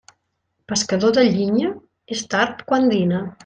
Pescador de llinya, és tard quan dina.